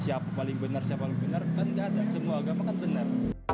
siapa paling benar siapa yang benar kan tidak ada semua agama kan benar